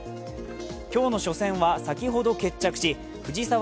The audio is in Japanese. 今日の初戦は先ほど決着し藤沢